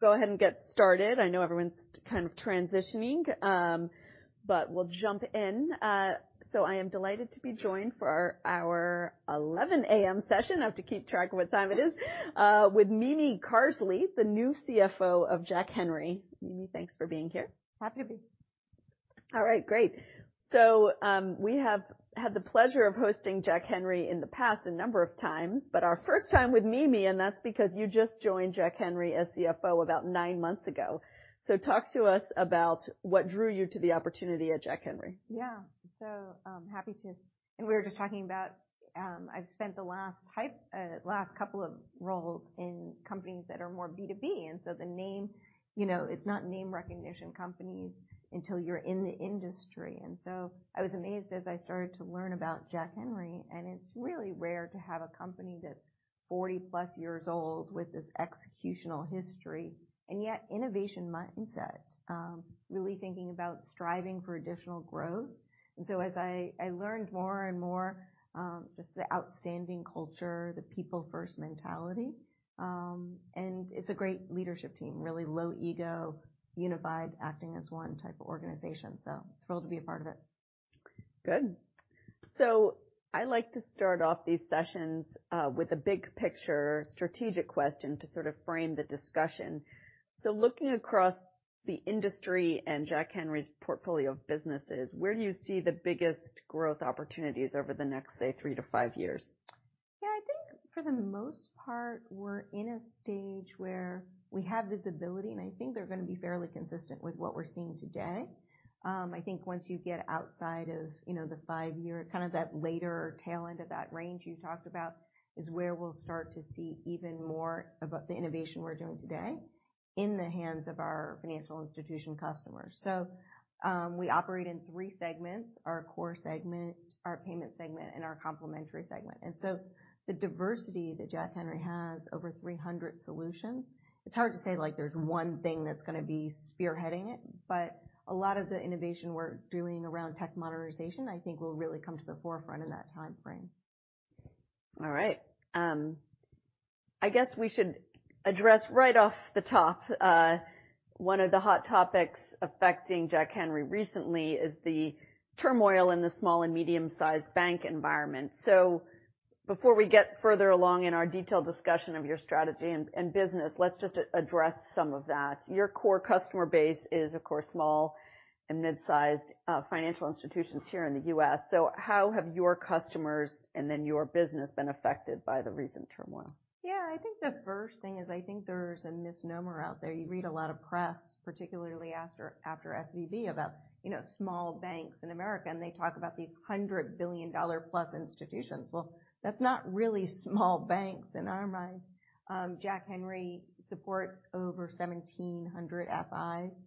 Go ahead and get started. I know everyone's kind of transitioning, but we'll jump in. So I am delighted to be joined for our 11:00 A.M. session. I have to keep track of what time it is, with Mimi Carsley, the new CFO of Jack Henry. Mimi, thanks for being here. Happy to be. All right, great. So we have had the pleasure of hosting Jack Henry in the past a number of times, but our first time with Mimi, and that's because you just joined Jack Henry as CFO about nine months ago. So talk to us about what drew you to the opportunity at Jack Henry. Yeah, so happy to. And we were just talking about. I've spent the last couple of roles in companies that are more B2B. And so the name, you know, it's not name recognition companies until you're in the industry. And so I was amazed as I started to learn about Jack Henry. And it's really rare to have a company that's 40-plus years old with this executional history, and yet innovation mindset, really thinking about striving for additional growth. And so as I learned more and more, just the outstanding culture, the people-first mentality. And it's a great leadership team, really low ego, unified, acting as one type of organization. So thrilled to be a part of it. Good. So I like to start off these sessions with a big picture strategic question to sort of frame the discussion. So looking across the industry and Jack Henry's portfolio of businesses, where do you see the biggest growth opportunities over the next, say, three to five years? Yeah, I think for the most part, we're in a stage where we have visibility, and I think they're going to be fairly consistent with what we're seeing today. I think once you get outside of the five-year, kind of that later tail end of that range you talked about is where we'll start to see even more about the innovation we're doing today in the hands of our financial institution customers. So we operate in three segments: our core segment, our payment segment, and our complementary segment. And so the diversity that Jack Henry has over 300 solutions, it's hard to say there's one thing that's going to be spearheading it. But a lot of the innovation we're doing around tech modernization, I think, will really come to the forefront in that time frame. All right. I guess we should address right off the top one of the hot topics affecting Jack Henry recently, is the turmoil in the small and medium-sized bank environment. So before we get further along in our detailed discussion of your strategy and business, let's just address some of that. Your core customer base is, of course, small and mid-sized financial institutions here in the U.S. So how have your customers and then your business been affected by the recent turmoil? Yeah, I think the first thing is I think there's a misnomer out there. You read a lot of press, particularly after SVB, about small banks in America, and they talk about these $100 billion-plus institutions. Well, that's not really small banks in our minds. Jack Henry supports over 1,700 FIs,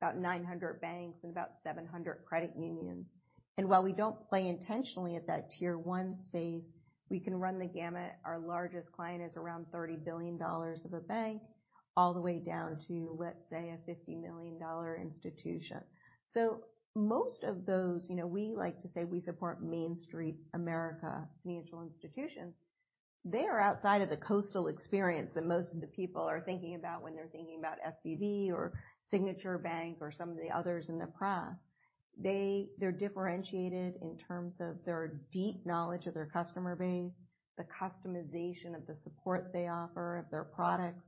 about 900 banks, and about 700 credit unions. And while we don't play intentionally at that tier one space, we can run the gamut. Our largest client is around $30 billion of a bank, all the way down to, let's say, a $50 million institution. So most of those, you know, we like to say we support Main Street America financial institutions. They are outside of the coastal experience that most of the people are thinking about when they're thinking about SVB or Signature Bank or some of the others in the press. They're differentiated in terms of their deep knowledge of their customer base, the customization of the support they offer of their products,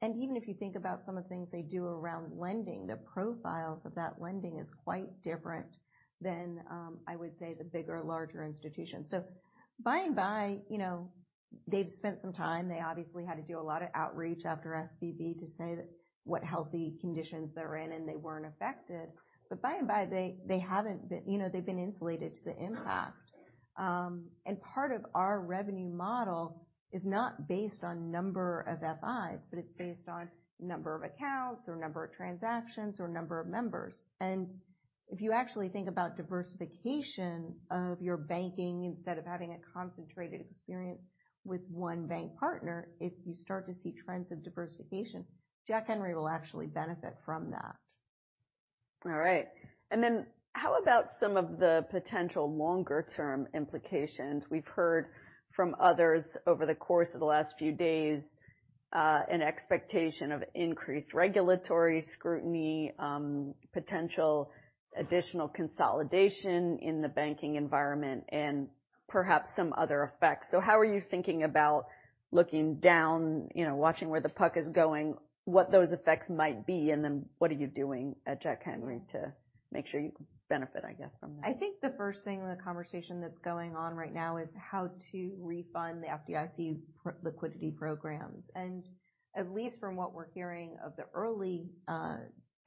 and even if you think about some of the things they do around lending, the profiles of that lending is quite different than, I would say, the bigger, larger institutions, so by and by, you know, they've spent some time. They obviously had to do a lot of outreach after SVB to say what healthy conditions they're in, and they weren't affected, but by and by, they haven't been, you know, they've been insulated to the impact, and part of our revenue model is not based on number of FIs, but it's based on number of accounts or number of transactions or number of members. If you actually think about diversification of your banking, instead of having a concentrated experience with one bank partner, if you start to see trends of diversification, Jack Henry will actually benefit from that. All right. And then how about some of the potential longer-term implications? We've heard from others over the course of the last few days an expectation of increased regulatory scrutiny, potential additional consolidation in the banking environment, and perhaps some other effects. So how are you thinking about looking down, you know, watching where the puck is going, what those effects might be? And then what are you doing at Jack Henry to make sure you benefit, I guess, from that? I think the first thing in the conversation that's going on right now is how to refund the FDIC liquidity programs, and at least from what we're hearing of the early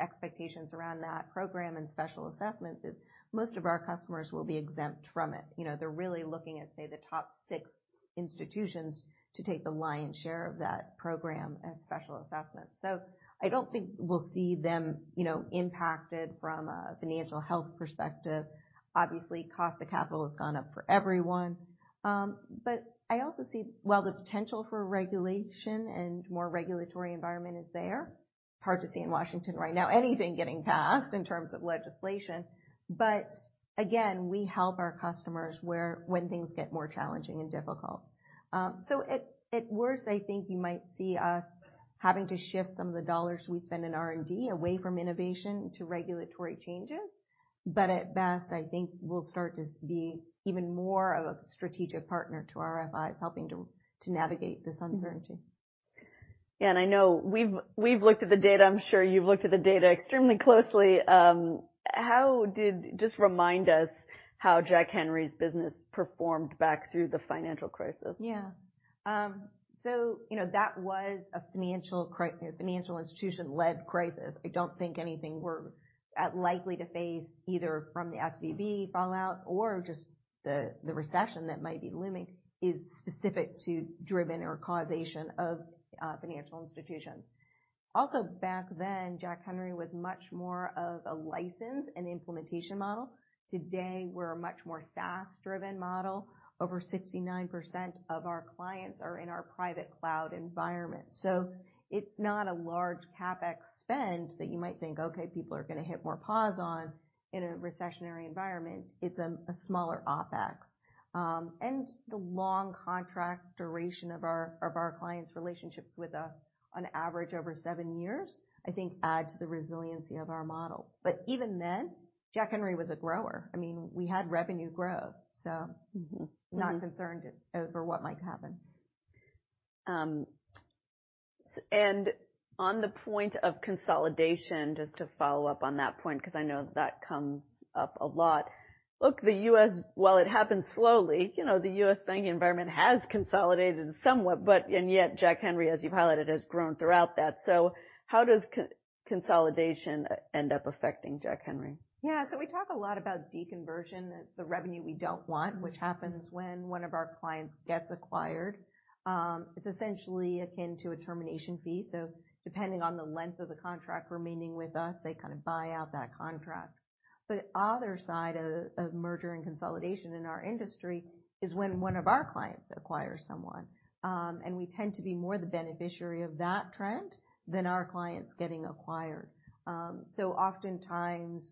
expectations around that program and special assessments, most of our customers will be exempt from it. You know, they're really looking at, say, the top six institutions to take the lion's share of that program and special assessments. So I don't think we'll see them, you know, impacted from a financial health perspective. Obviously, cost of capital has gone up for everyone, but I also see, well, the potential for regulation and more regulatory environment is there. It's hard to see in Washington right now anything getting passed in terms of legislation, but again, we help our customers when things get more challenging and difficult. So at worst, I think you might see us having to shift some of the dollars we spend in R&D away from innovation to regulatory changes. But at best, I think we'll start to be even more of a strategic partner to our FIs, helping to navigate this uncertainty. Yeah. I know we've looked at the data. I'm sure you've looked at the data extremely closely. How about you just remind us how Jack Henry's business performed back through the financial crisis? Yeah, so you know, that was a financial institution-led crisis. I don't think anything we're likely to face either from the SVB fallout or just the recession that might be looming is specific to driven or causation of financial institutions. Also, back then, Jack Henry was much more of a license and implementation model. Today, we're a much more SaaS-driven model. Over 69% of our clients are in our private cloud environment. So it's not a large CapEx spend that you might think, okay, people are going to hit more pause on in a recessionary environment. It's a smaller OpEx. And the long contract duration of our clients' relationships with us, on average, over seven years, I think adds to the resiliency of our model. But even then, Jack Henry was a grower. I mean, we had revenue growth, so not concerned over what might happen. And on the point of consolidation, just to follow up on that point, because I know that comes up a lot, look, the U.S., while it happens slowly, you know, the U.S. banking environment has consolidated somewhat, but yet Jack Henry, as you've highlighted, has grown throughout that. So how does consolidation end up affecting Jack Henry? Yeah. We talk a lot about deconversion as the revenue we don't want, which happens when one of our clients gets acquired. It's essentially akin to a termination fee. Depending on the length of the contract remaining with us, they kind of buy out that contract. The other side of merger and consolidation in our industry is when one of our clients acquires someone. We tend to be more the beneficiary of that trend than our clients getting acquired. Oftentimes,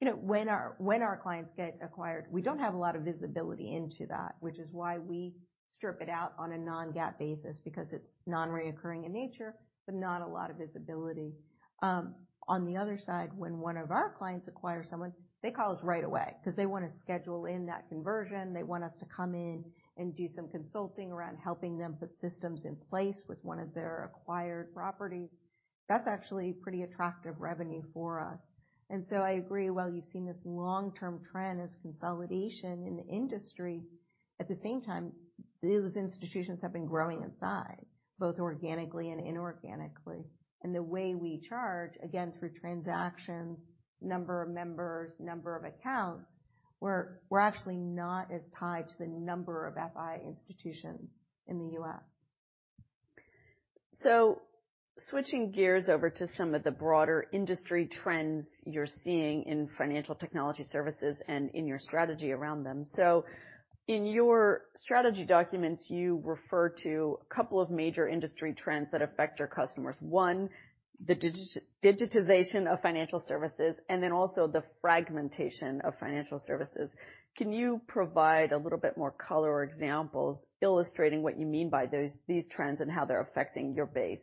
you know, when our clients get acquired, we don't have a lot of visibility into that, which is why we strip it out on a non-GAAP basis because it's non-recurring in nature, but not a lot of visibility. On the other side, when one of our clients acquires someone, they call us right away because they want to schedule in that conversion. They want us to come in and do some consulting around helping them put systems in place with one of their acquired properties. That's actually pretty attractive revenue for us, and so I agree, while you've seen this long-term trend of consolidation in the industry, at the same time, those institutions have been growing in size, both organically and inorganically, and the way we charge, again, through transactions, number of members, number of accounts, we're actually not as tied to the number of FI institutions in the U.S. So switching gears over to some of the broader industry trends you're seeing in financial technology services and in your strategy around them. So in your strategy documents, you refer to a couple of major industry trends that affect your customers. One, the digitization of financial services, and then also the fragmentation of financial services. Can you provide a little bit more color or examples illustrating what you mean by these trends and how they're affecting your base?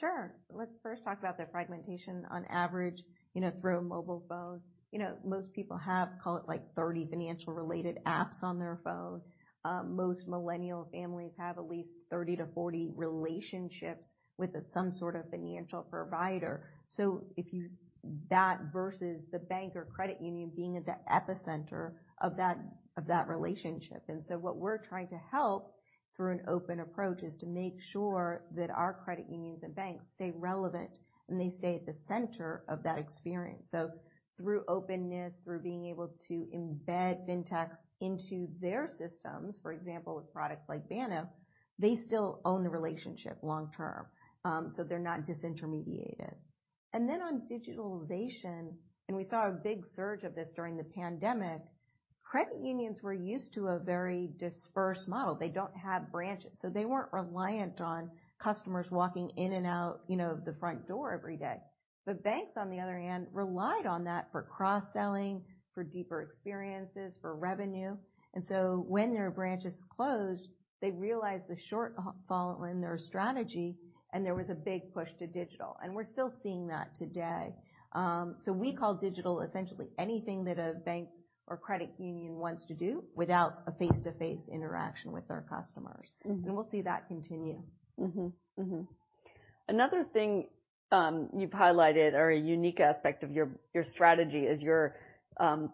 Sure. Let's first talk about the fragmentation. On average, you know, through a mobile phone, you know, most people have, call it like 30 financial-related apps on their phone. Most millennial families have at least 30 to 40 relationships with some sort of financial provider. So that versus the bank or credit union being at the epicenter of that relationship, and so what we're trying to help through an open approach is to make sure that our credit unions and banks stay relevant and they stay at the center of that experience. So through openness, through being able to embed fintechs into their systems, for example, with products like Banno, they still own the relationship long term. So they're not disintermediated, and then on digitalization, and we saw a big surge of this during the pandemic, credit unions were used to a very dispersed model. They don't have branches. So they weren't reliant on customers walking in and out, you know, of the front door every day. But banks, on the other hand, relied on that for cross-selling, for deeper experiences, for revenue. And so when their branches closed, they realized the shortfall in their strategy, and there was a big push to digital. And we're still seeing that today. So we call digital essentially anything that a bank or credit union wants to do without a face-to-face interaction with their customers. And we'll see that continue. Another thing you've highlighted or a unique aspect of your strategy is your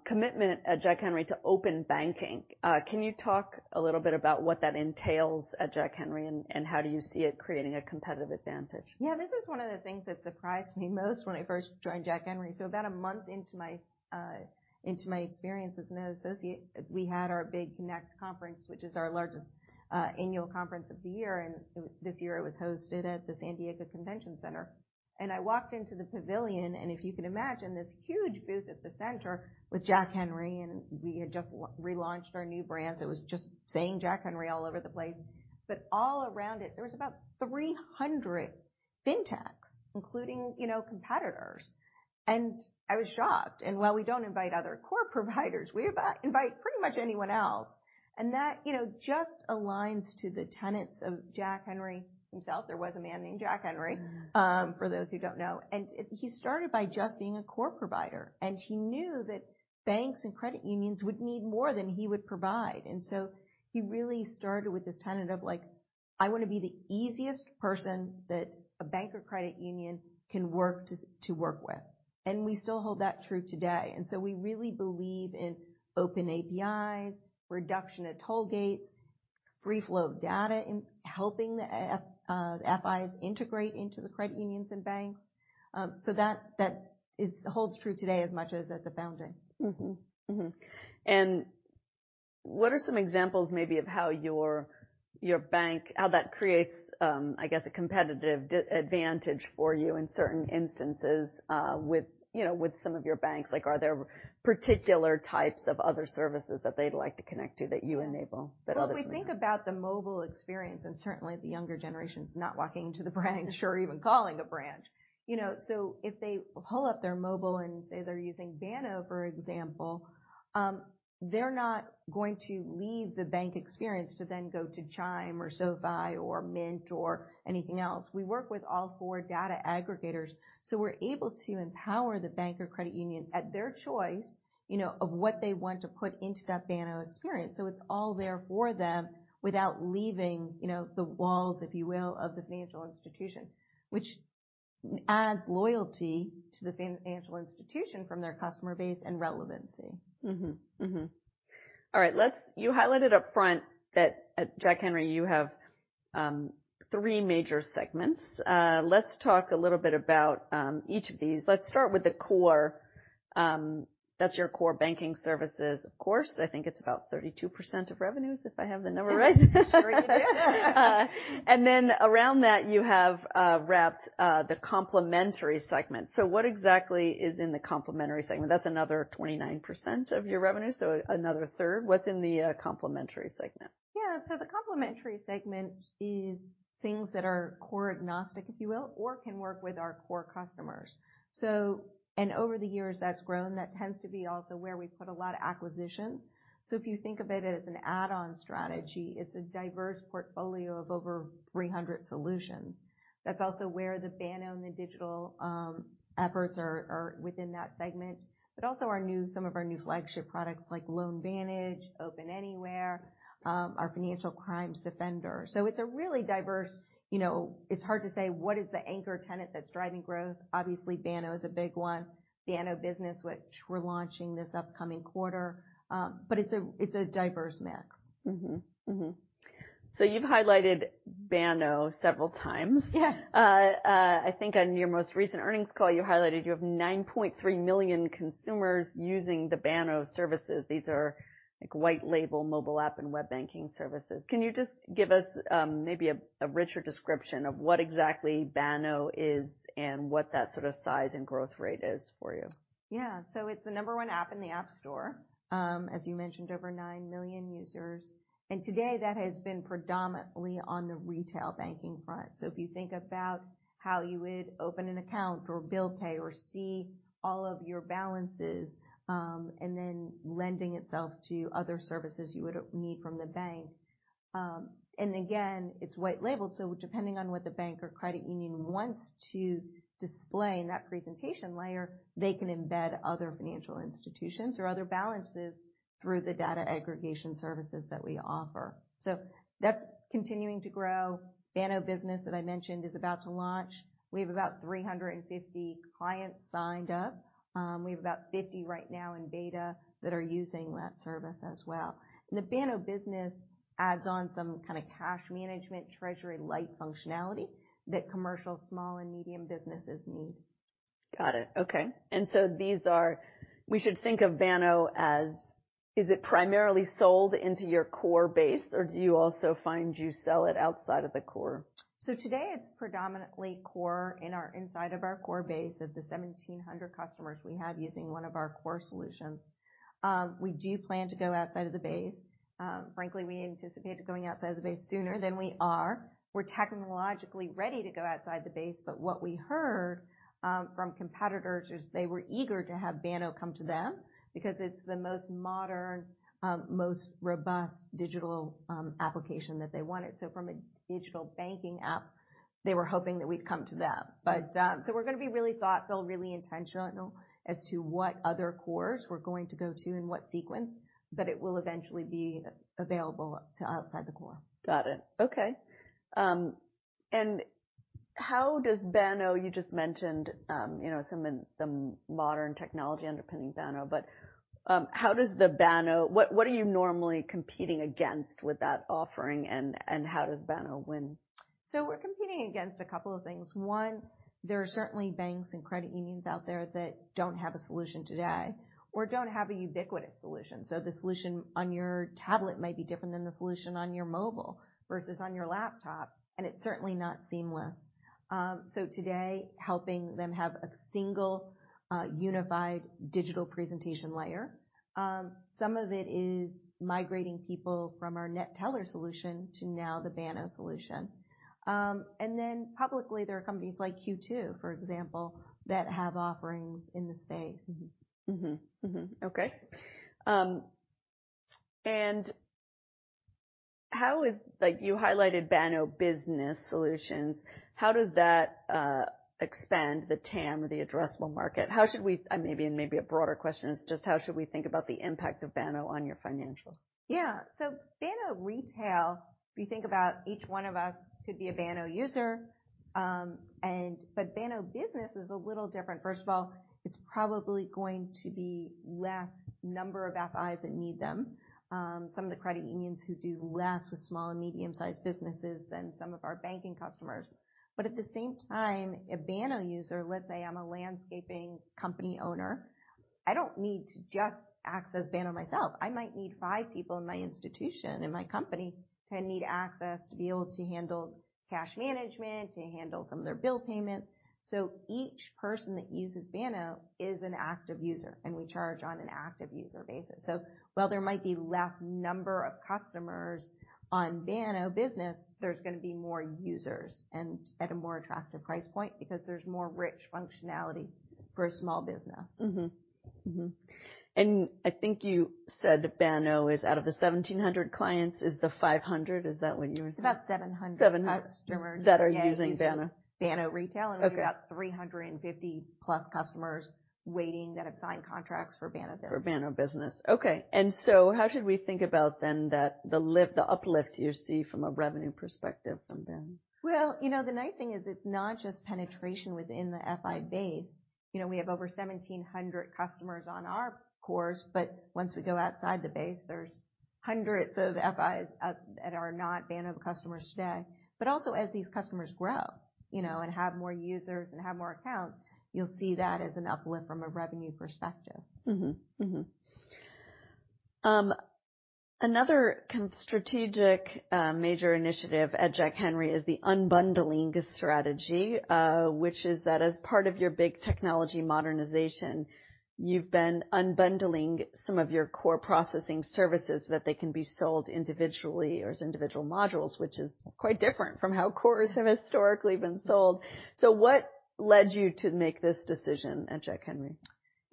commitment at Jack Henry to open banking. Can you talk a little bit about what that entails at Jack Henry and how do you see it creating a competitive advantage? Yeah, this is one of the things that surprised me most when I first joined Jack Henry. So about a month into my experience as an associate, we had our big Connect Conference, which is our largest annual conference of the year. And this year, it was hosted at the San Diego Convention Center. And I walked into the pavilion, and if you can imagine this huge booth at the center with Jack Henry, and we had just relaunched our new brands. It was just saying Jack Henry all over the place. But all around it, there was about 300 fintechs, including, you know, competitors. And I was shocked. And while we don't invite other core providers, we invite pretty much anyone else. And that, you know, just aligns to the tenets of Jack Henry himself. There was a man named Jack Henry, for those who don't know. And he started by just being a core provider. And he knew that banks and credit unions would need more than he would provide. And so he really started with this tenet of like, I want to be the easiest person that a bank or credit union can work with. And we still hold that true today. And so we really believe in open APIs, reduction of toll gates, free flow of data, and helping the FIs integrate into the credit unions and banks. So that holds true today as much as at the founding. What are some examples maybe of how your bank, how that creates, I guess, a competitive advantage for you in certain instances with, you know, with some of your banks? Like, are there particular types of other services that they'd like to connect to that you enable that others don't? If we think about the mobile experience and certainly the younger generations not walking into the branch or even calling a branch, you know, so if they pull up their mobile and say they're using Banno, for example, they're not going to leave the bank experience to then go to Chime or SoFi or Mint or anything else. We work with all four data aggregators, so we're able to empower the bank or credit union at their choice, you know, of what they want to put into that Banno experience, so it's all there for them without leaving, you know, the walls, if you will, of the financial institution, which adds loyalty to the financial institution from their customer base and relevancy. All right. You highlighted up front that at Jack Henry, you have three major segments. Let's talk a little bit about each of these. Let's start with the core. That's your core banking services, of course. I think it's about 32% of revenues, if I have the number right. And then around that, you have wrapped the complementary segment. So what exactly is in the complementary segment? That's another 29% of your revenue, so another third. What's in the complementary segment? Yeah. So the complementary segment is things that are core agnostic, if you will, or can work with our core customers. So, and over the years, that's grown. That tends to be also where we put a lot of acquisitions. So if you think of it as an add-on strategy, it's a diverse portfolio of over 300 solutions. That's also where the Banno and the digital efforts are within that segment, but also our new, some of our new flagship products like LoanVantage, OpenAnywhere, our Financial Crimes Defender. So it's a really diverse, you know, it's hard to say what is the anchor tenet that's driving growth. Obviously, Banno is a big one. Banno Business, which we're launching this upcoming quarter. But it's a diverse mix. So you've highlighted Banno several times. Yes. I think on your most recent earnings call, you highlighted you have 9.3 million consumers using the Banno services. These are like white label mobile app and web banking services. Can you just give us maybe a richer description of what exactly Banno is and what that sort of size and growth rate is for you? Yeah, so it's the number one app in the App Store, as you mentioned, over nine million users. Today, that has been predominantly on the retail banking front. If you think about how you would open an account or bill pay or see all of your balances and then lending itself to other services you would need from the bank, again, it's white labeled. Depending on what the bank or credit union wants to display in that presentation layer, they can embed other financial institutions or other balances through the data aggregation services that we offer. That's continuing to grow. Banno Business that I mentioned is about to launch. We have about 350 clients signed up. We have about 50 right now in beta that are using that service as well. The Banno Business adds on some kind of cash management, treasury-like functionality that commercial small and medium businesses need. Got it. Okay. And so these are we should think of Banno as, is it primarily sold into your core base, or do you also find you sell it outside of the core? So today, it's predominantly core in our inside of our core base of the 1,700 customers we have using one of our core solutions. We do plan to go outside of the base. Frankly, we anticipate going outside of the base sooner than we are. We're technologically ready to go outside the base, but what we heard from competitors is they were eager to have Banno come to them because it's the most modern, most robust digital application that they wanted. So from a digital banking app, they were hoping that we'd come to them. But so we're going to be really thoughtful, really intentional as to what other cores we're going to go to and what sequence, but it will eventually be available to outside the core. Got it. Okay. And how does Banno you just mentioned, you know, some of the modern technology underpinning Banno, but how does the Banno what are you normally competing against with that offering and how does Banno win? So we're competing against a couple of things. One, there are certainly banks and credit unions out there that don't have a solution today or don't have a ubiquitous solution. So the solution on your tablet may be different than the solution on your mobile versus on your laptop, and it's certainly not seamless. So today, helping them have a single unified digital presentation layer. Some of it is migrating people from our NetTeller solution to now the Banno solution. And then publicly, there are companies like Q2, for example, that have offerings in the space. Okay. And how, like, you highlighted Banno Business Solutions? How does that expand the TAM, the addressable market? How should we, maybe, and maybe a broader question is just how should we think about the impact of Banno on your financials? Yeah. So Banno Retail, if you think about each one of us could be a Banno user, but Banno Business is a little different. First of all, it's probably going to be less number of FIs that need them. Some of the credit unions who do less with small and medium-sized businesses than some of our banking customers. But at the same time, a Banno user, let's say I'm a landscaping company owner, I don't need to just access Banno myself. I might need five people in my institution, in my company to need access to be able to handle cash management, to handle some of their bill payments. So each person that uses Banno is an active user, and we charge on an active user basis. So while there might be less number of customers on Banno Business, there's going to be more users and at a more attractive price point because there's more rich functionality for a small business. I think you said Banno is out of the 1,700 clients, is the 500, is that what you were saying? It's about 700 customers. 700 that are using Banno. Banno Retail, and we've got 350 plus customers waiting that have signed contracts for Banno Business. For Banno Business. Okay. And so how should we think about then that the uplift you see from a revenue perspective from Banno? You know, the nice thing is it's not just penetration within the FI base. You know, we have over 1,700 customers on our cores, but once we go outside the base, there's hundreds of FIs that are not Banno customers today. But also as these customers grow, you know, and have more users and have more accounts, you'll see that as an uplift from a revenue perspective. Another strategic major initiative at Jack Henry is the unbundling strategy, which is that as part of your big technology modernization, you've been unbundling some of your core processing services so that they can be sold individually or as individual modules, which is quite different from how cores have historically been sold. So what led you to make this decision at Jack Henry?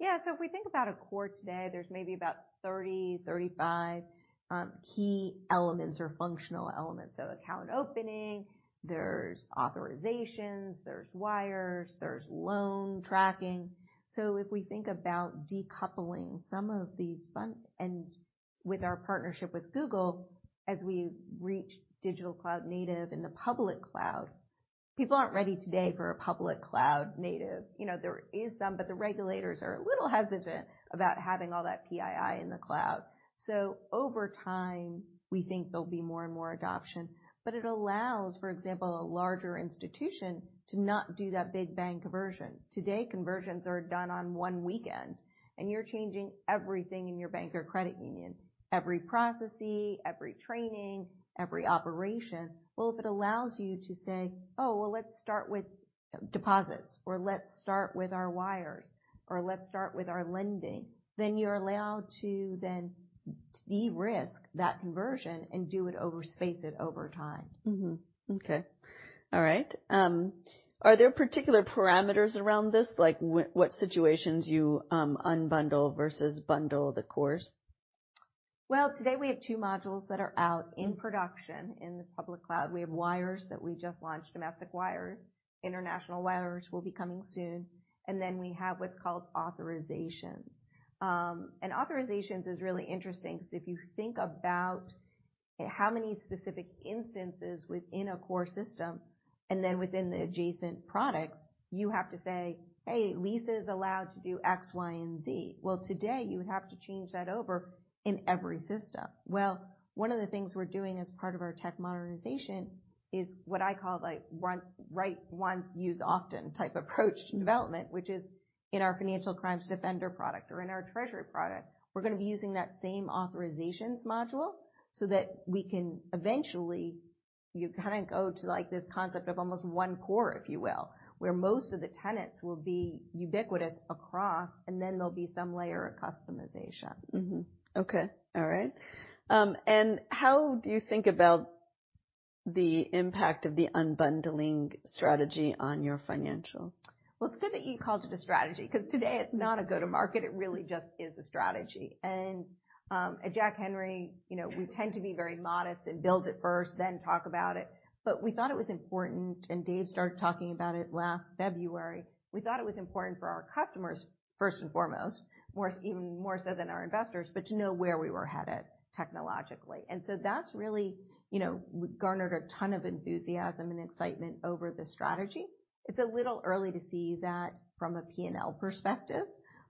Yeah. So if we think about a core today, there's maybe about 30-35 key elements or functional elements. So account opening, there's authorizations, there's wires, there's loan tracking. So if we think about decoupling some of these and with our partnership with Google, as we reach digital cloud native and the public cloud, people aren't ready today for a public cloud native. You know, there is some, but the regulators are a little hesitant about having all that PII in the cloud. So over time, we think there'll be more and more adoption, but it allows, for example, a larger institution to not do that big bang conversion. Today, conversions are done on one weekend, and you're changing everything in your bank or credit union, every process, every training, every operation. If it allows you to say, "Oh, well, let's start with deposits," or, "Let's start with our wires," or, "Let's start with our lending," then you're allowed to de-risk that conversion and space it over time. Okay. All right. Are there particular parameters around this, like what situations you unbundle versus bundle the cores? Today, we have two modules that are out in production in the public cloud. We have wires that we just launched, domestic wires, international wires will be coming soon. And then we have what's called authorizations. And authorizations is really interesting because if you think about how many specific instances within a core system and then within the adjacent products, you have to say, "Hey, Lisa is allowed to do X, Y, and Z." Today, you would have to change that over in every system. One of the things we're doing as part of our tech modernization is what I call like write once, use often type approach to development, which is in our Financial Crimes Defender product or in our treasury product, we're going to be using that same authorizations module so that we can eventually you kind of go to like this concept of almost one core, if you will, where most of the tenets will be ubiquitous across, and then there'll be some layer of customization. Okay. All right. And how do you think about the impact of the unbundling strategy on your financials? It's good that you called it a strategy because today, it's not a go-to-market. It really just is a strategy, and at Jack Henry, you know, we tend to be very modest and build it first, then talk about it, but we thought it was important, and Dave started talking about it last February. We thought it was important for our customers, first and foremost, even more so than our investors, but to know where we were headed technologically, and so that's really, you know, garnered a ton of enthusiasm and excitement over the strategy. It's a little early to see that from a P&L perspective.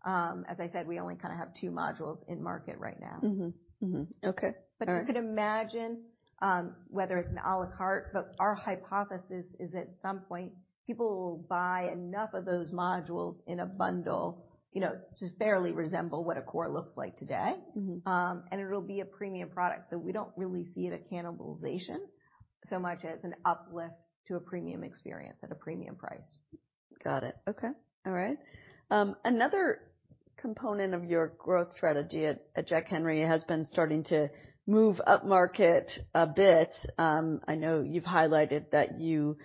As I said, we only kind of have two modules in market right now. Okay. But you could imagine whether it's an à la carte, but our hypothesis is at some point, people will buy enough of those modules in a bundle, you know, to fairly resemble what a core looks like today, and it'll be a premium product. So we don't really see it as a cannibalization so much as an uplift to a premium experience at a premium price. Got it. Okay. All right. Another component of your growth strategy at Jack Henry has been starting to move up market a bit. I know you've highlighted that you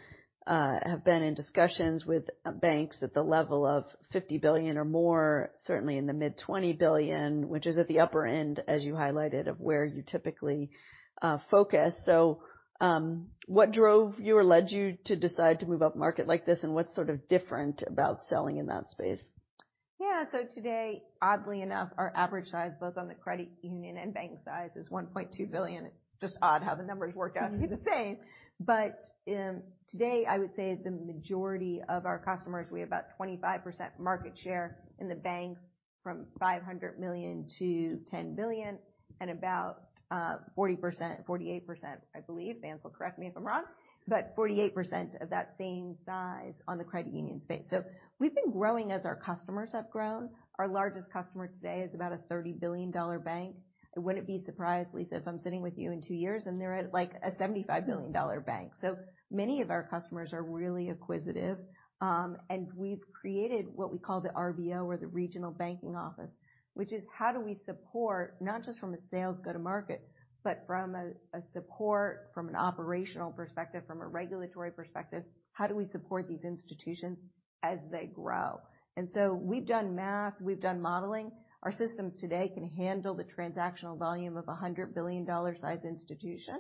have been in discussions with banks at the level of $50 billion or more, certainly in the mid-$20 billion, which is at the upper end, as you highlighted, of where you typically focus. So what drove you or led you to decide to move up market like this, and what's sort of different about selling in that space? Yeah. So today, oddly enough, our average size, both on the credit union and bank size, is $1.2 billion. It's just odd how the numbers work out to be the same. But today, I would say the majority of our customers, we have about 25% market share in the bank from $500 million-$10 billion and about 40%-48%, I believe. Vance will correct me if I'm wrong, but 48% of that same size on the credit union space. So we've been growing as our customers have grown. Our largest customer today is about a $30 billion bank. I wouldn't be surprised, Lisa, if I'm sitting with you in two years, and they're at like a $75 billion bank. So many of our customers are really acquisitive, and we've created what we call the RBO or the Regional Banking Office, which is how do we support not just from a sales go-to-market, but from a support from an operational perspective, from a regulatory perspective, how do we support these institutions as they grow. And so we've done math, we've done modeling. Our systems today can handle the transactional volume of a $100 billion size institution.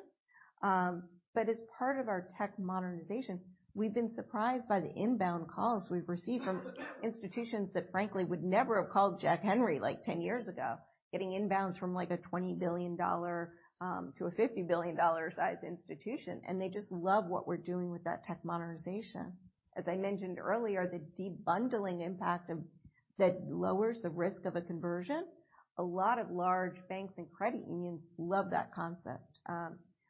But as part of our tech modernization, we've been surprised by the inbound calls we've received from institutions that, frankly, would never have called Jack Henry like 10 years ago, getting inbounds from like a $20 billion-$50 billion size institution. And they just love what we're doing with that tech modernization. As I mentioned earlier, the debundling impact that lowers the risk of a conversion. A lot of large banks and credit unions love that concept.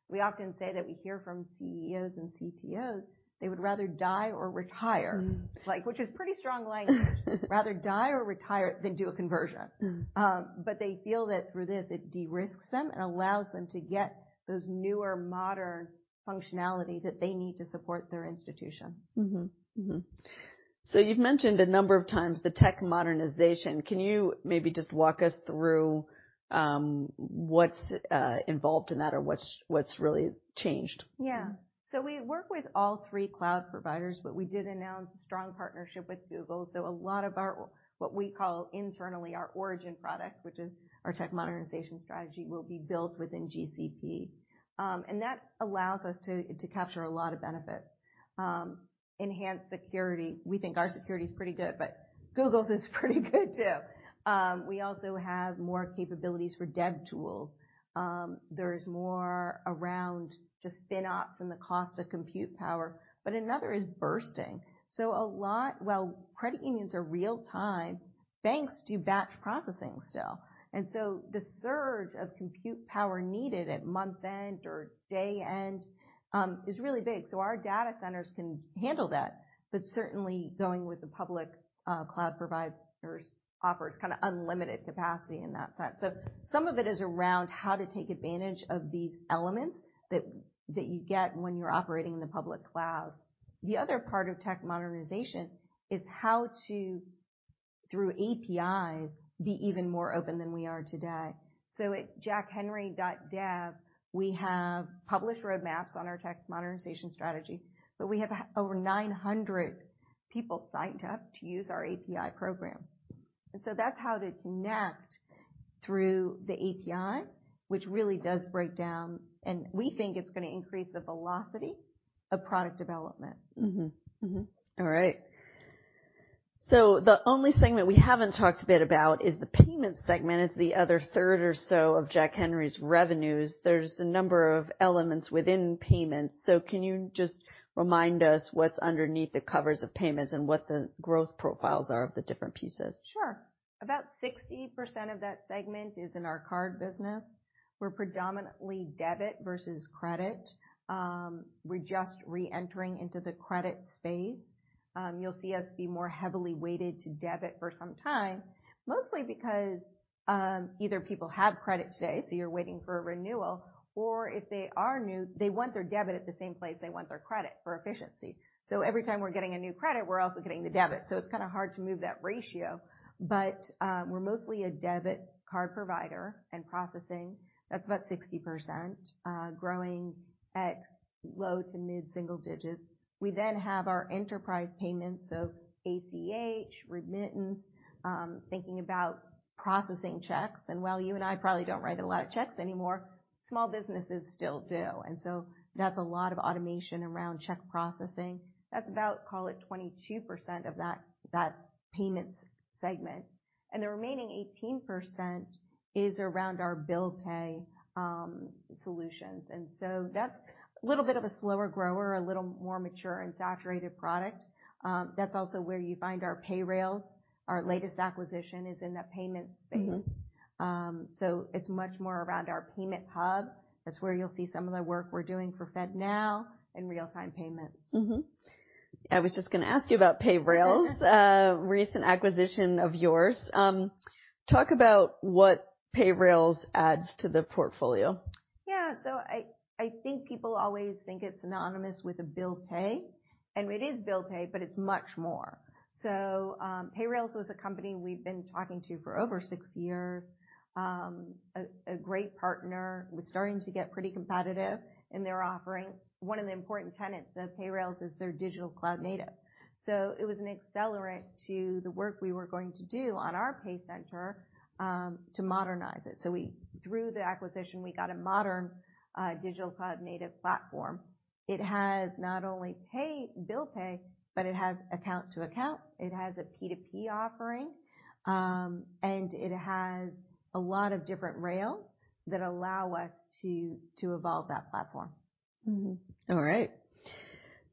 We often say that we hear from CEOs and CTOs, they would rather die or retire, like which is pretty strong language, rather die or retire than do a conversion. But they feel that through this, it de-risks them and allows them to get those newer modern functionality that they need to support their institution. So you've mentioned a number of times the tech modernization. Can you maybe just walk us through what's involved in that or what's really changed? Yeah. So we work with all three cloud providers, but we did announce a strong partnership with Google. So a lot of our what we call internally our Origin product, which is our tech modernization strategy, will be built within GCP. And that allows us to capture a lot of benefits, enhance security. We think our security is pretty good, but Google's is pretty good too. We also have more capabilities for dev tools. There's more around just spin-offs and the cost of compute power, but another is bursting. So a lot while credit unions are real-time, banks do batch processing still. And so the surge of compute power needed at month-end or day-end is really big. So our data centers can handle that, but certainly going with the public cloud providers offers kind of unlimited capacity in that sense. So some of it is around how to take advantage of these elements that you get when you're operating in the public cloud. The other part of tech modernization is how to, through APIs, be even more open than we are today. So at jackhenry.dev, we have published roadmaps on our tech modernization strategy, but we have over 900 people signed up to use our API programs. And so that's how to connect through the APIs, which really does break down, and we think it's going to increase the velocity of product development. All right. So the only segment we haven't talked a bit about is the payment segment. It's the other third or so of Jack Henry's revenues. There's a number of elements within payments. So can you just remind us what's underneath the covers of payments and what the growth profiles are of the different pieces? Sure. About 60% of that segment is in our card business. We're predominantly debit versus credit. We're just re-entering into the credit space. You'll see us be more heavily weighted to debit for some time, mostly because either people have credit today, so you're waiting for a renewal, or if they are new, they want their debit at the same place they want their credit for efficiency. So every time we're getting a new credit, we're also getting the debit. So it's kind of hard to move that ratio, but we're mostly a debit card provider and processing. That's about 60%, growing at low- to mid-single digits. We then have our enterprise payments, so ACH, remittance, thinking about processing checks. And while you and I probably don't write a lot of checks anymore, small businesses still do. And so that's a lot of automation around check processing. That's about, call it 22% of that payments segment, and the remaining 18% is around our bill pay solutions, and so that's a little bit of a slower grower, a little more mature and saturated product. That's also where you find our Payrailz. Our latest acquisition is in that payment space, so it's much more around our payment hub. That's where you'll see some of the work we're doing for FedNow and real-time payments. I was just going to ask you about Payrailz, recent acquisition of yours. Talk about what Payrailz adds to the portfolio. Yeah. So I think people always think it's synonymous with a bill pay, and it is bill pay, but it's much more. So Payrailz was a company we've been talking to for over six years, a great partner. We're starting to get pretty competitive in their offering. One of the important tenets of Payrailz is they're digital cloud native. So it was an accelerant to the work we were going to do on our PayCenter to modernize it. So through the acquisition, we got a modern digital cloud native platform. It has not only P2P bill pay, but it has account to account. It has a P2P offering, and it has a lot of different rails that allow us to evolve that platform. All right.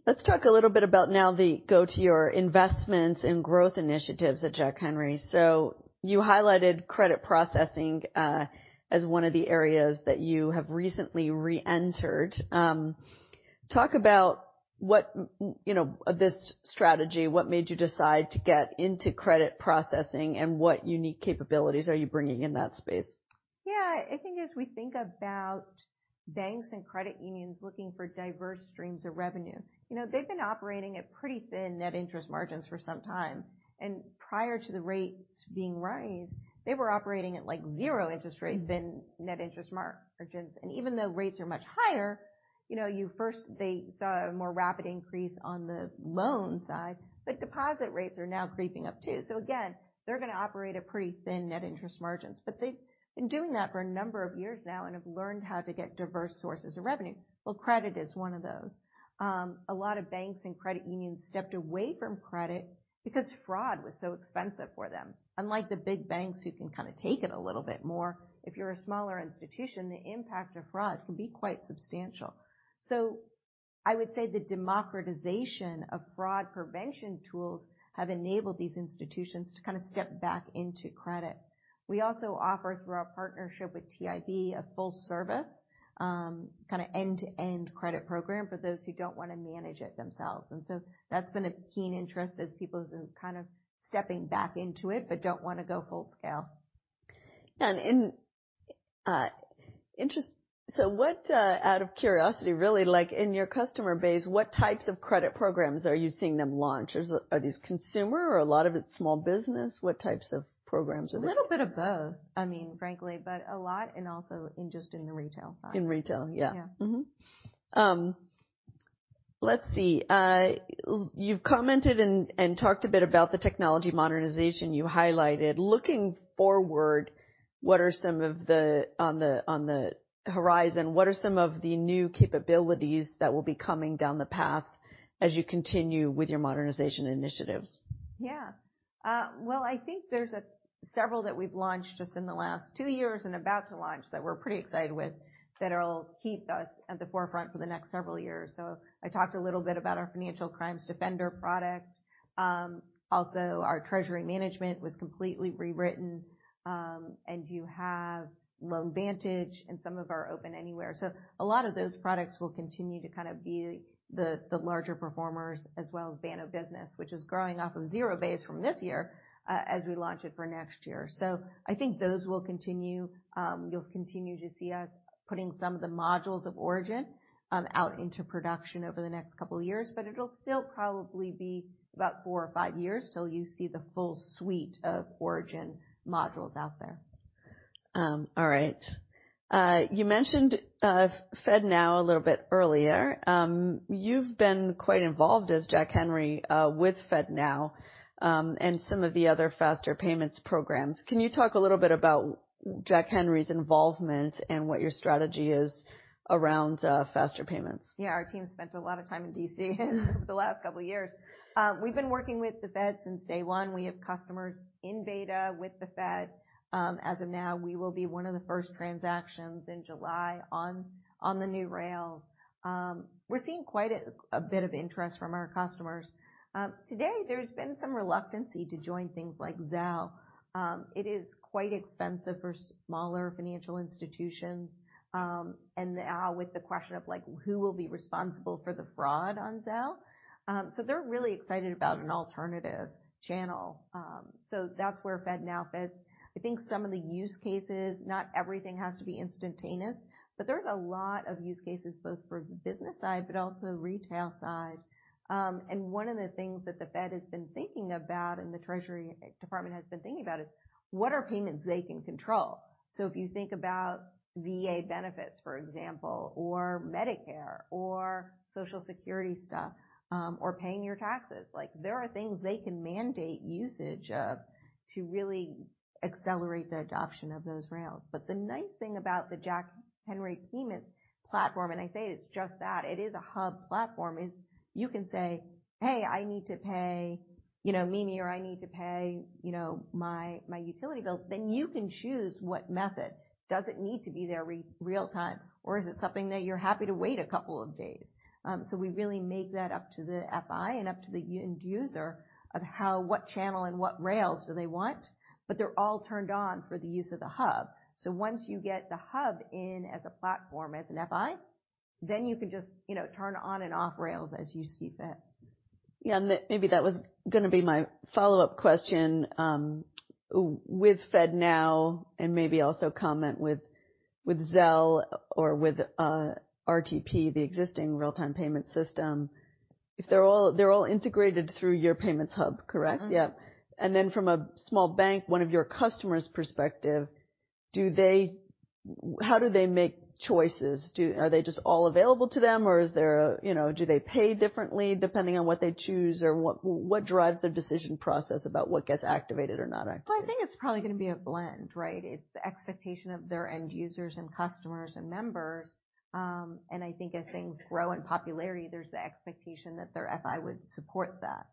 Let's talk a little bit about now the go-to investments and growth initiatives at Jack Henry. So you highlighted credit processing as one of the areas that you have recently re-entered. Talk about what, you know, this strategy, what made you decide to get into credit processing and what unique capabilities are you bringing in that space? Yeah. I think as we think about banks and credit unions looking for diverse streams of revenue, you know, they've been operating at pretty thin net interest margins for some time. And prior to the rates being raised, they were operating at like zero interest rates and net interest margins. And even though rates are much higher, you know, first they saw a more rapid increase on the loan side, but deposit rates are now creeping up too. So again, they're going to operate at pretty thin net interest margins, but they've been doing that for a number of years now and have learned how to get diverse sources of revenue. Well, credit is one of those. A lot of banks and credit unions stepped away from credit because fraud was so expensive for them. Unlike the big banks who can kind of take it a little bit more, if you're a smaller institution, the impact of fraud can be quite substantial. So I would say the democratization of fraud prevention tools have enabled these institutions to kind of step back into credit. We also offer through our partnership with TIB a full-service kind of end-to-end credit program for those who don't want to manage it themselves. And so that's been a keen interest as people have been kind of stepping back into it, but don't want to go full scale. Yeah. And interest. So what, out of curiosity, really like in your customer base, what types of credit programs are you seeing them launch? Are these consumer or a lot of it small business? What types of programs are they? A little bit of both, I mean, frankly, but a lot and also just in the retail side. In retail, yeah. Yeah. Let's see. You've commented and talked a bit about the technology modernization you highlighted. Looking forward, what are some of the on the horizon, what are some of the new capabilities that will be coming down the path as you continue with your modernization initiatives? Yeah. Well, I think there's several that we've launched just in the last two years and about to launch that we're pretty excited with that will keep us at the forefront for the next several years. So I talked a little bit about our Financial Crimes Defender product. Also, our treasury management was completely rewritten, and you have LoanVantage and some of our OpenAnywhere. So a lot of those products will continue to kind of be the larger performers as well as Banno Business, which is growing off of zero base from this year as we launch it for next year. So I think those will continue. You'll continue to see us putting some of the modules of Origin out into production over the next couple of years, but it'll still probably be about four or five years till you see the full suite of Origin modules out there. All right. You mentioned FedNow a little bit earlier. You've been quite involved as Jack Henry with FedNow and some of the other faster payments programs. Can you talk a little bit about Jack Henry's involvement and what your strategy is around faster payments? Yeah. Our team spent a lot of time in D.C. over the last couple of years. We've been working with the Fed since day one. We have customers in beta with the Fed. As of now, we will be one of the first transactions in July on the new rails. We're seeing quite a bit of interest from our customers. Today, there's been some reluctance to join things like Zelle. It is quite expensive for smaller financial institutions, and now with the question of like who will be responsible for the fraud on Zelle, so they're really excited about an alternative channel, so that's where FedNow fits. I think some of the use cases, not everything has to be instantaneous, but there's a lot of use cases both for the business side, but also retail side. One of the things that the Fed has been thinking about and the Treasury Department has been thinking about is what are payments they can control. If you think about VA benefits, for example, or Medicare or Social Security stuff or paying your taxes, like there are things they can mandate usage of to really accelerate the adoption of those rails. The nice thing about the Jack Henry payments platform, and I say it's just that, it is a hub platform, is you can say, "Hey, I need to pay, you know, Mimi or I need to pay, you know, my utility bill," then you can choose what method. Does it need to be there real-time or is it something that you're happy to wait a couple of days? So we really make that up to the FI and up to the end user of how what channel and what rails do they want, but they're all turned on for the use of the hub. So once you get the hub in as a platform, as an FI, then you can just, you know, turn on and off rails as you see fit. Yeah. And maybe that was going to be my follow-up question. With FedNow and maybe also comment with Zelle or with RTP, the existing real-time payment system, if they're all integrated through your payments hub, correct? Yep. And then from a small bank, one of your customers' perspective, do they, how do they make choices? Are they just all available to them or is there, you know, do they pay differently depending on what they choose or what drives their decision process about what gets activated or not? I think it's probably going to be a blend, right? It's the expectation of their end users and customers and members. I think as things grow in popularity, there's the expectation that their FI would support that.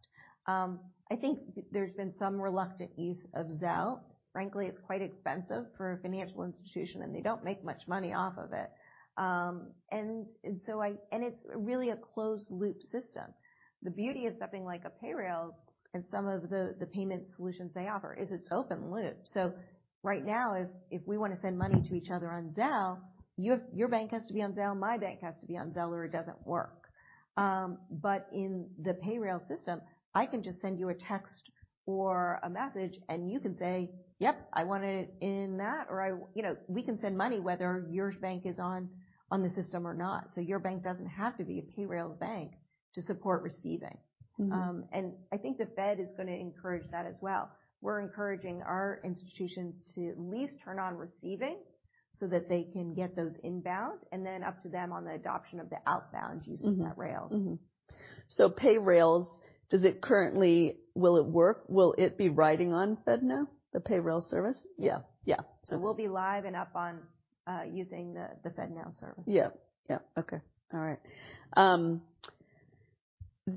I think there's been some reluctant use of Zelle. Frankly, it's quite expensive for a financial institution and they don't make much money off of it. It's really a closed loop system. The beauty of something like a Payrailz and some of the payment solutions they offer is it's open loop. So right now, if we want to send money to each other on Zelle, your bank has to be on Zelle, my bank has to be on Zelle or it doesn't work. But in the Payrailz system, I can just send you a text or a message and you can say, "Yep, I want it in that," or, you know, we can send money whether your bank is on the system or not. So your bank doesn't have to be a Payrailz bank to support receiving. And I think the Fed is going to encourage that as well. We're encouraging our institutions to at least turn on receiving so that they can get those inbound and then up to them on the adoption of the outbound use of that rails. So, Payrailz, does it currently will it work? Will it be riding on FedNow, the Payrailz service? Yeah. Yeah. So we'll be live and up on using the FedNow service. Yeah. Yeah. Okay. All right.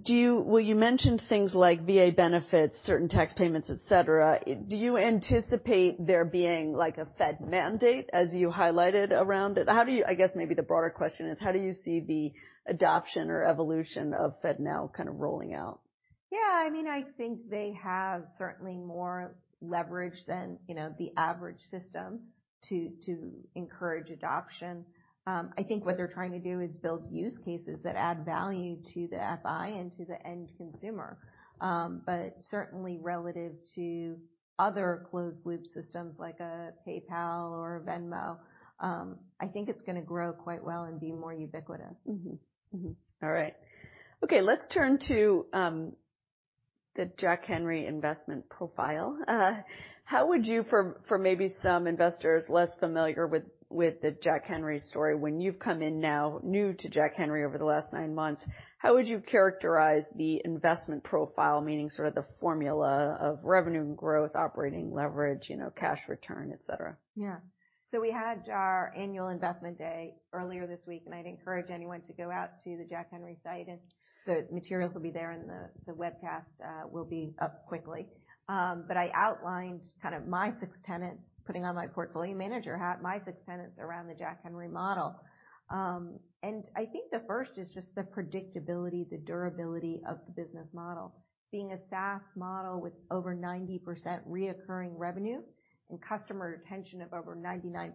Do you, well, you mentioned things like VA benefits, certain tax payments, et cetera. Do you anticipate there being like a Fed mandate as you highlighted around it? How do you, I guess maybe the broader question is, how do you see the adoption or evolution of FedNow kind of rolling out? Yeah. I mean, I think they have certainly more leverage than, you know, the average system to encourage adoption. I think what they're trying to do is build use cases that add value to the FI and to the end consumer. But certainly relative to other closed loop systems like a PayPal or a Venmo, I think it's going to grow quite well and be more ubiquitous. All right. Okay. Let's turn to the Jack Henry investment profile. How would you, for maybe some investors less familiar with the Jack Henry story, when you've come in now, new to Jack Henry over the last nine months, how would you characterize the investment profile, meaning sort of the formula of revenue and growth, operating leverage, you know, cash return, et cetera? Yeah. So we had our annual investment day earlier this week and I'd encourage anyone to go out to the Jack Henry site and the materials will be there and the webcast will be up quickly. But I outlined kind of my six tenets, putting on my portfolio manager hat, my six tenets around the Jack Henry model. I think the first is just the predictability, the durability of the business model. Being a SaaS model with over 90% recurring revenue and customer retention of over 99%,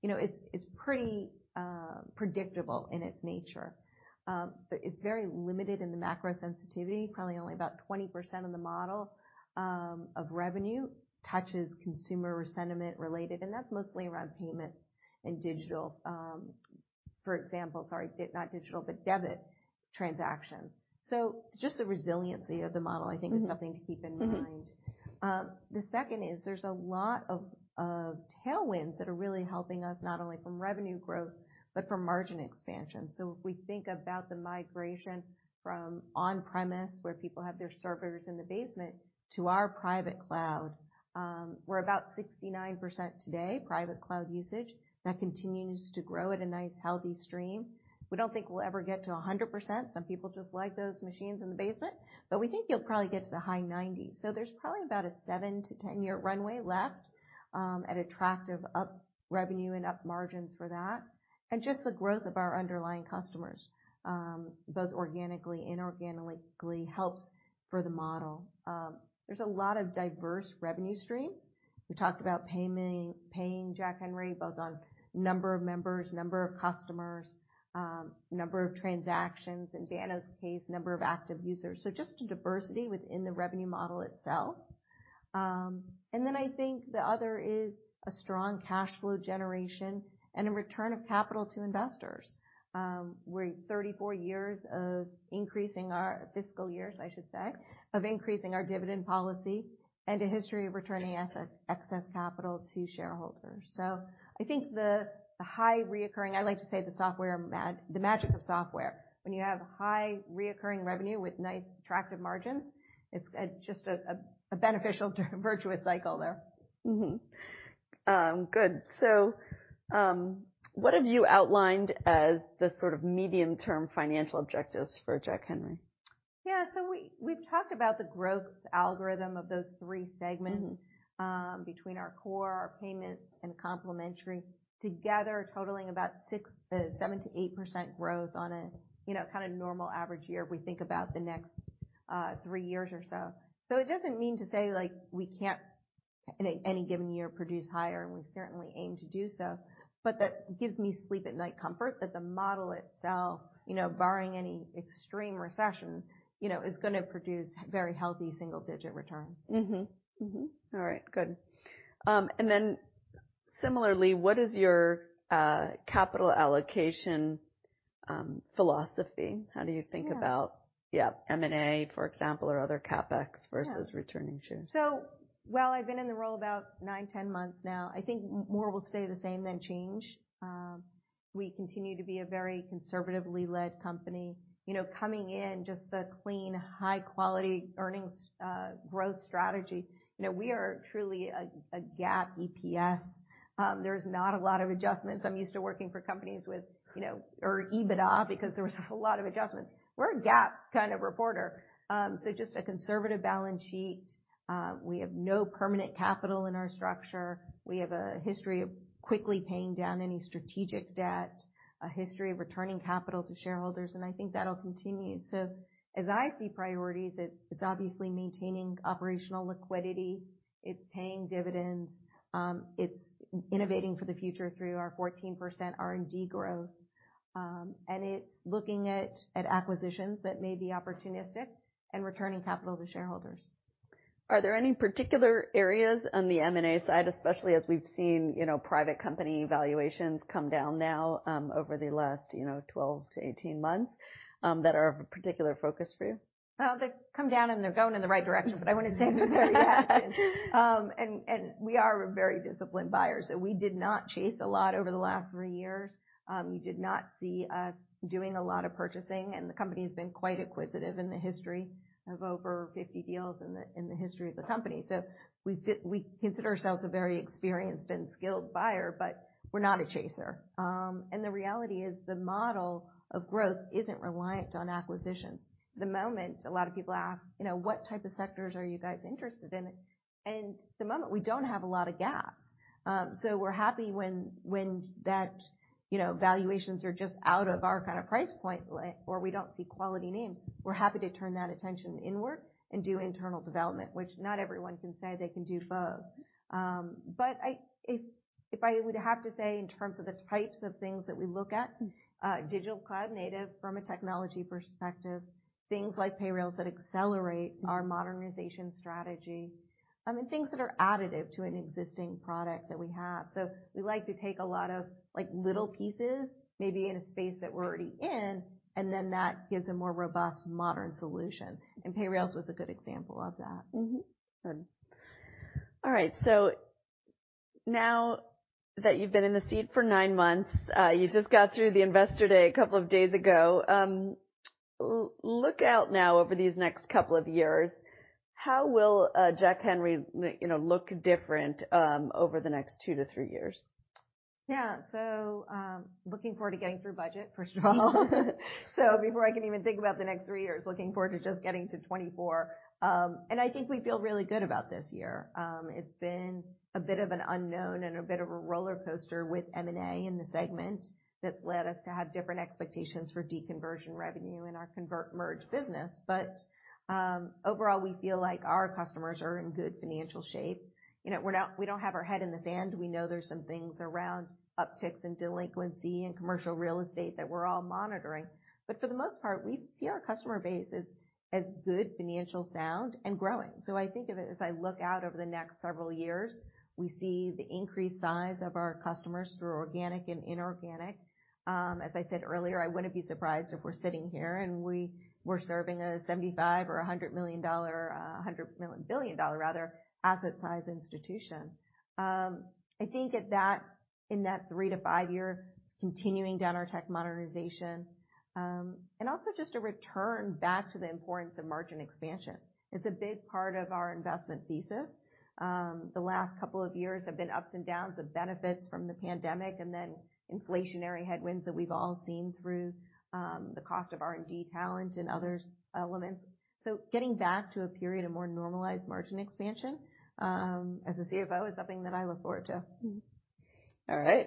you know, it's pretty predictable in its nature. It's very limited in the macro sensitivity, probably only about 20% of the model of revenue touches consumer spending related, and that's mostly around payments and digital, for example, sorry, not digital, but debit transactions. So just the resiliency of the model I think is something to keep in mind. The second is there's a lot of tailwinds that are really helping us not only from revenue growth, but from margin expansion. So if we think about the migration from on-premise where people have their servers in the basement to our private cloud, we're about 69% today, private cloud usage that continues to grow at a nice healthy stream. We don't think we'll ever get to 100%. Some people just like those machines in the basement, but we think you'll probably get to the high 90s. So there's probably about a seven to ten year runway left at attractive up revenue and up margins for that. And just the growth of our underlying customers, both organically, inorganically helps for the model. There's a lot of diverse revenue streams. We talked about paying Jack Henry both on number of members, number of customers, number of transactions in Banno's case, number of active users. So just a diversity within the revenue model itself. And then I think the other is a strong cash flow generation and a return of capital to investors. We're 34 years of increasing our fiscal years, I should say, of increasing our dividend policy and a history of returning excess capital to shareholders. So I think the high recurring, I like to say the software, the magic of software. When you have high recurring revenue with nice attractive margins, it's just a beneficial virtuous cycle there. Good, so what have you outlined as the sort of medium-term financial objectives for Jack Henry? Yeah. So we've talked about the growth algorithm of those three segments between our core, our payments, and complementary together totaling about 7-8% growth on a, you know, kind of normal average year if we think about the next three years or so. So it doesn't mean to say like we can't in any given year produce higher and we certainly aim to do so, but that gives me sleep at night comfort that the model itself, you know, barring any extreme recession, you know, is going to produce very healthy single-digit returns. All right. Good. And then similarly, what is your capital allocation philosophy? How do you think about, yeah, M&A, for example, or other CapEx versus returning shares? So while I've been in the role about nine, ten months now, I think more will stay the same than change. We continue to be a very conservatively led company. You know, coming in just the clean, high-quality earnings growth strategy. You know, we are truly a GAAP EPS. There's not a lot of adjustments. I'm used to working for companies with, you know, or EBITDA because there was a lot of adjustments. We're a GAAP kind of reporter. So just a conservative balance sheet. We have no permanent capital in our structure. We have a history of quickly paying down any strategic debt, a history of returning capital to shareholders, and I think that'll continue. So as I see priorities, it's obviously maintaining operational liquidity. It's paying dividends. It's innovating for the future through our 14% R&D growth. It's looking at acquisitions that may be opportunistic and returning capital to shareholders. Are there any particular areas on the M&A side, especially as we've seen, you know, private company valuations come down now over the last, you know, 12-18 months that are of a particular focus for you? They've come down and they're going in the right direction, but I wouldn't say they're very active, and we are a very disciplined buyer, so we did not chase a lot over the last three years. You did not see us doing a lot of purchasing, and the company has been quite acquisitive in the history of over 50 deals in the history of the company, so we consider ourselves a very experienced and skilled buyer, but we're not a chaser, and the reality is the model of growth isn't reliant on acquisitions. The moment a lot of people ask, you know, what type of sectors are you guys interested in? And at the moment we don't have a lot of gaps. So, we're happy when that, you know, valuations are just out of our kind of price point or we don't see quality names. We're happy to turn that attention inward and do internal development, which not everyone can say they can do both. But if I would have to say in terms of the types of things that we look at, digital cloud native from a technology perspective, things like Payrailz that accelerate our modernization strategy, and things that are additive to an existing product that we have. So we like to take a lot of like little pieces maybe in a space that we're already in and then that gives a more robust modern solution. And Payrailz was a good example of that. All right. So now that you've been in the seat for nine months, you just got through the Investor Day a couple of days ago. Look out now over these next couple of years. How will Jack Henry, you know, look different over the next two to three years? Yeah. So looking forward to getting through budget, first of all. So before I can even think about the next three years, looking forward to just getting to 2024. And I think we feel really good about this year. It's been a bit of an unknown and a bit of a roller coaster with M&A in the segment that's led us to have different expectations for deconversion revenue in our conversion and merger business. But overall, we feel like our customers are in good financial shape. You know, we're not, we don't have our head in the sand. We know there's some things around upticks and delinquency and commercial real estate that we're all monitoring. But for the most part, we see our customer base as good, financially sound, and growing. So I think as I look out over the next several years, we see the increased size of our customers through organic and inorganic. As I said earlier, I wouldn't be surprised if we're sitting here and we're serving a $75 or a $100 million dollar, a $100 billion dollar rather, asset size institution. I think in that three to five year continuing down our tech modernization and also just a return back to the importance of margin expansion. It's a big part of our investment thesis. The last couple of years have been ups and downs, the benefits from the pandemic and then inflationary headwinds that we've all seen through the cost of R&D talent and other elements. So getting back to a period of more normalized margin expansion as a CFO is something that I look forward to. All right.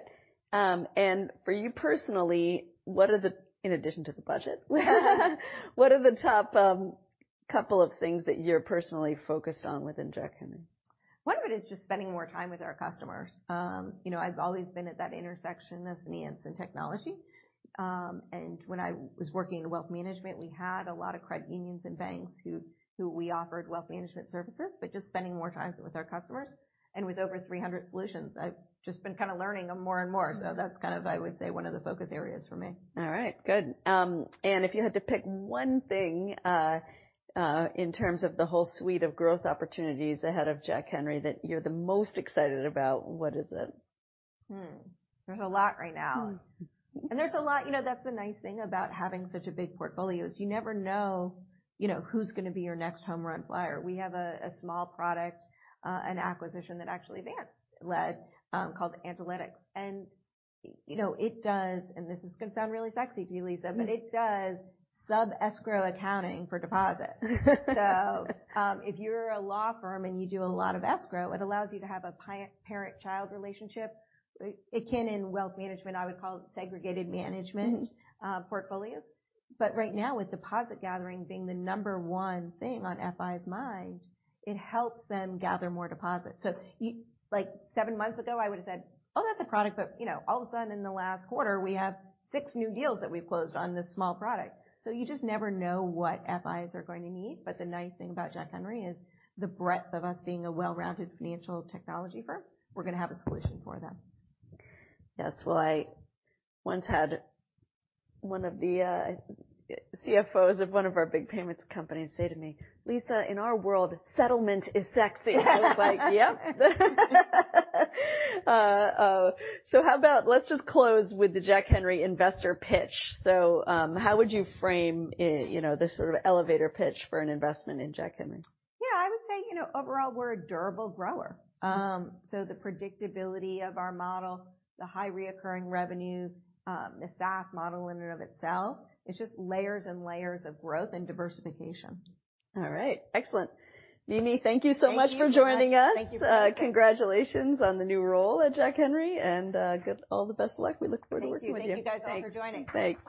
And for you personally, what are the, in addition to the budget, what are the top couple of things that you're personally focused on within Jack Henry? One of it is just spending more time with our customers. You know, I've always been at that intersection of finance and technology. And when I was working in wealth management, we had a lot of credit unions and banks who we offered wealth management services, but just spending more times with our customers. And with over 300 solutions, I've just been kind of learning more and more. So that's kind of, I would say, one of the focus areas for me. All right. Good. And if you had to pick one thing in terms of the whole suite of growth opportunities ahead of Jack Henry that you're the most excited about, what is it? There's a lot right now, and there's a lot, you know, that's the nice thing about having such a big portfolio is you never know, you know, who's going to be your next home run flyer. We have a small product, an acquisition that actually Vance led called Agiletics. And you know, it does, and this is going to sound really sexy to you, Lisa, but it does sub-escrow accounting for deposit. So if you're a law firm and you do a lot of escrow, it allows you to have a parent-child relationship. Akin in wealth management, I would call it segregated management portfolios, but right now, with deposit gathering being the number one thing on FI's mind, it helps them gather more deposits. So like seven months ago, I would have said, "Oh, that's a product." But you know, all of a sudden in the last quarter, we have six new deals that we've closed on this small product. So you just never know what FIs are going to need. But the nice thing about Jack Henry is the breadth of us being a well-rounded financial technology firm, we're going to have a solution for them. Yes. Well, I once had one of the CFOs of one of our big payments companies say to me, "Lisa, in our world, settlement is sexy." I was like, "Yep." So how about let's just close with the Jack Henry investor pitch. So how would you frame, you know, this sort of elevator pitch for an investment in Jack Henry? Yeah. I would say, you know, overall, we're a durable grower, so the predictability of our model, the high recurring revenue, the SaaS model in and of itself, it's just layers and layers of growth and diversification. All right. Excellent. Mimi, thank you so much for joining us. Thank you so much. Congratulations on the new role at Jack Henry and all the best of luck. We look forward to working with you. Thank you guys all for joining. Thanks.